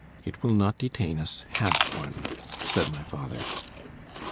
——It will not detain us half one; said my father.